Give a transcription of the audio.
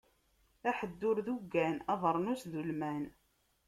Aḥeddur d uggan, abeṛnus d ulman.